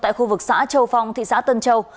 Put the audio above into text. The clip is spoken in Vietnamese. tại khu vực xã châu phong thị xã tân châu